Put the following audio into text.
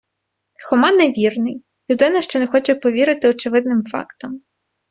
Хома невірний - людина, що не хоче повірити очевидним фактам